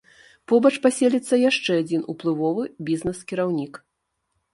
Побач паселіцца яшчэ адзін уплывовы бізнэс-кіраўнік.